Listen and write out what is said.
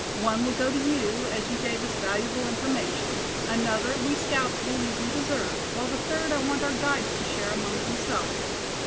One will go to you, as you gave us valuable information; another we scouts believe we deserve; while the third I want our guides to share among themselves."